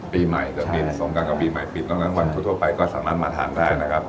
ปีใหม่จะปิดสงการกับปีใหม่ปิดดังนั้นวันทั่วไปก็สามารถมาทานได้นะครับ